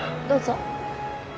どうぞ。